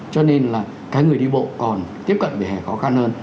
cho nên là cái người đi bộ còn tiếp cận về hè khó khăn hơn